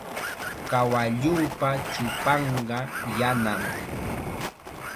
Kawalluupa chupanqa yanam.